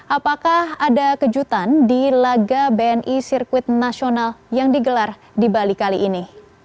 apakah ada kejutan di laga bni sirkuit nasional yang digelar di bali kali ini